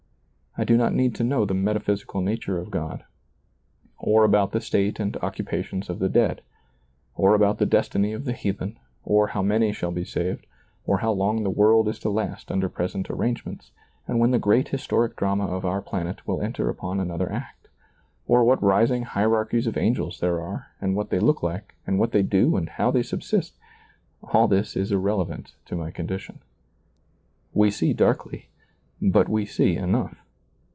I do not need to know the metaphysical nature of God, or about the state and occupations of the dead, or about the destiny of the heathen, or how many shall be saved, or how long the world is to last under present arrange ments, and when the great historic drama of our planet will enter upon another act, or what rising hierarchies of angels there are, and what they look like, and what they do, and how they subsist : all this is irrelevant to my condition. We see darkly but we see enough.